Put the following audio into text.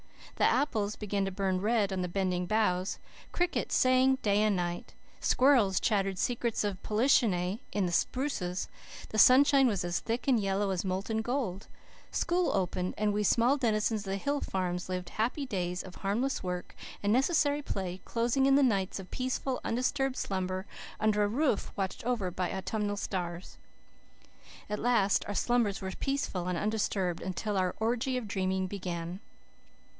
The apples began to burn red on the bending boughs; crickets sang day and night; squirrels chattered secrets of Polichinelle in the spruces; the sunshine was as thick and yellow as molten gold; school opened, and we small denizens of the hill farms lived happy days of harmless work and necessary play, closing in nights of peaceful, undisturbed slumber under a roof watched over by autumnal stars. At least, our slumbers were peaceful and undisturbed until our orgy of dreaming began.